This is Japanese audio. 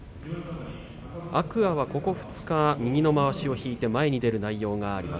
天空海はここ２日まわしを引いて前に出る内容です。